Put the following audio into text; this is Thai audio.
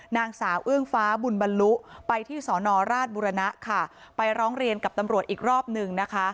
นางสาวเอื้องฟ้าบุญบรรลุไปที่สอนอราชบุรณะค่ะไปร้องเรียนกับตำรวจอีกรอบหนึ่งนะคะ